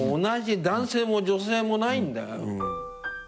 同じ男性も女性もないんだよ。